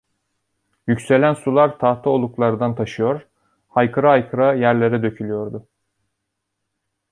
Yükselen sular tahta oluklardan taşıyor, haykıra haykıra yerlere dökülüyordu.